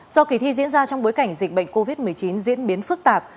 do kỳ thi diễn ra trong bối cảnh dịch bệnh covid một mươi chín diễn biến phức tạp